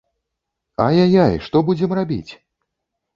Ай-яй-яй, што будзем рабіць?